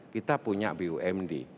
kita punya bumd